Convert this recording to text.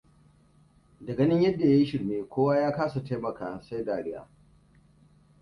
Da ganin yadda ya yi shirme, kowa ya kasa taimaka sai dariya.